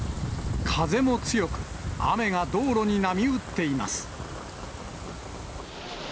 風も強く、雨が道路に波打っています。